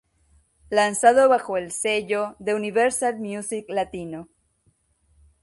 Lanzado bajo el sello de Universal Music Latino.